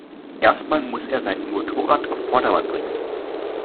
Erst mal muss er sein Motorrad auf Vordermann bringen.